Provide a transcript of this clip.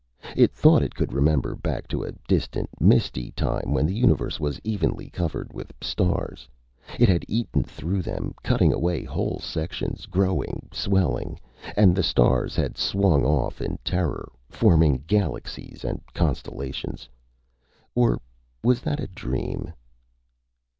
It thought it could remember back to a distant, misty time when the Universe was evenly covered with stars. It had eaten through them, cutting away whole sections, growing, swelling. And the stars had swung off in terror, forming galaxies and constellations. Or was that a dream?